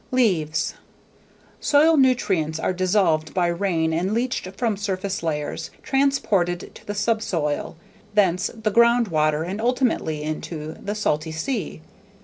Leaves. Soil nutrients are dissolved by rain and leached from surface layers, transported to the subsoil, thence the ground water, and ultimately into the salty sea.